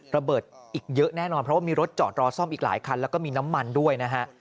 ระเบิดอีกเยอะแน่นอนเพราะว่ามีรถจอดรอซ่อมอีกหลายคันแล้วก็มีน้ำมันด้วยนะฮะ